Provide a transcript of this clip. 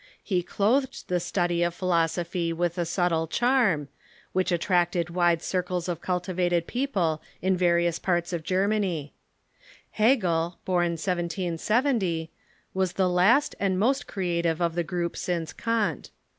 He clothed the study of philosophy with a subtle charm, which attracted wide circles of cultivated people in various parts of German}^ Hegel, born 1770, was the last and most creative of the group since Kant.